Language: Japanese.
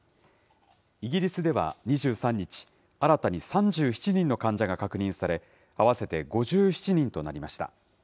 イギリスでは２３日、新たに３７人の患者が確認され、合わせて５７人となりました。